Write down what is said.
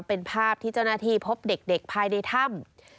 เป็นภาพที่เจ้าหน้าที่พบเด็กภายในถ้ำ